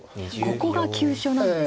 ここが急所なんですね。